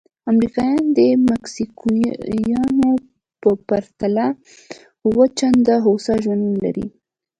امریکایان د مکسیکویانو په پرتله اووه چنده هوسا ژوند لري.